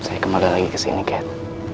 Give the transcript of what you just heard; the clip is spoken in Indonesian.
saya kembali lagi kesini kat